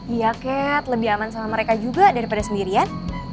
iya cat lebih aman sama mereka juga daripada sendirian